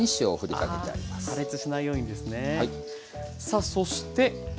さあそして。